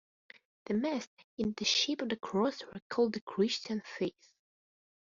The mast, in the shape of the cross, recalls the Christian faith.